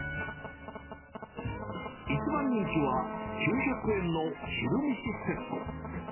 一番人気は９００円の昼めしセット。